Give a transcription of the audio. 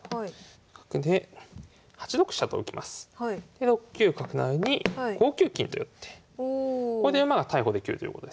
で６九角成に５九金と寄ってこれで馬が逮捕できるということですね。